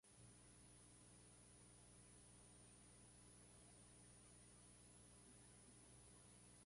El techo es de cañizo y de barro.